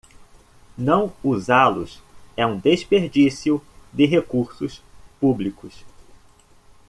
Não usá-los é um desperdício de recursos públicos.